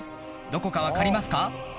どこか分かりますか？